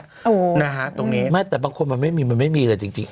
โอ้โหนะฮะตรงนี้ไม่แต่บางคนมันไม่มีมันไม่มีเลยจริงจริง